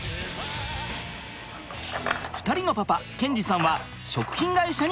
２人のパパ賢二さんは食品会社に勤務。